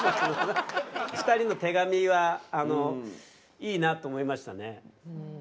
２人の手紙はいいなと思いましたね。